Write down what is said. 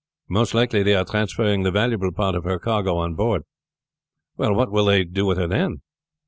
"Most likely they are transferring the valuable part of her cargo on board." "What will they do with her then?"